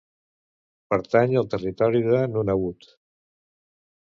Pertany al territori de Nunavut.